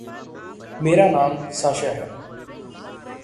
मेरा नाम साशा है।